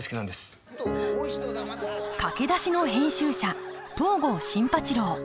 かけだしの編集者東郷新八郎